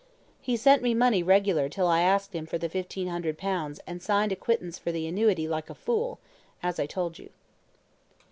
He sent me money regular till I asked for the fifteen hundred pounds and signed a quittance for the annuity like a fool, as I told you."